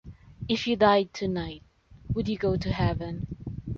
If you died tonight, would you go to heaven?